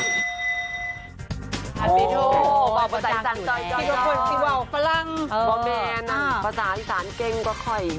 ค่ะพี่โทป่าวประสานสลังค์ถึงแล้วอยู่